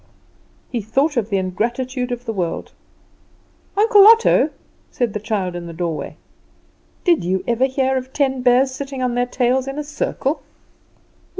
He thought of the ingratitude of the world. "Uncle Otto," said the child in the doorway, "did you ever hear of ten bears sitting on their tails in a circle?"